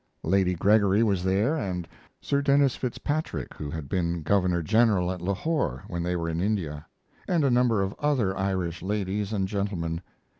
Lady Gregory was there and Sir Dennis Fitz Patrick; who had been Governor General at Lahore when they were in India, and a number of other Irish ladies and gentlemen.